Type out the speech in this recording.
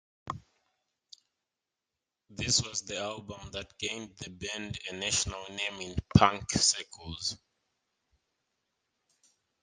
This was the album that "gained the band a national name in punk circles".